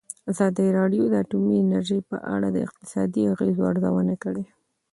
ازادي راډیو د اټومي انرژي په اړه د اقتصادي اغېزو ارزونه کړې.